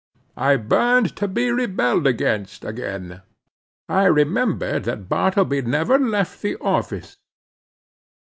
I burned to be rebelled against again. I remembered that Bartleby never left the office.